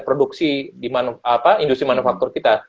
produksi di industri manufaktur kita